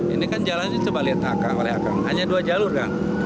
ini kan jalan itu cuma lihat lihat hanya dua jalur kan